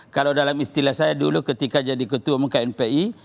kalau dalam istilah saya dulu ketika jadi ketua umum knpi